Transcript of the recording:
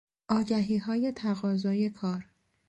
آگهیهای تقاضای کار